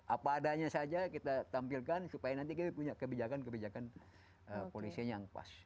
apa adanya saja kita tampilkan supaya nanti kita punya kebijakan kebijakan polisi yang pas